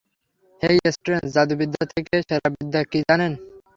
হেই Strange, জাদুবিদ্যার থেকে সেরা বিদ্যা কী, জানেন?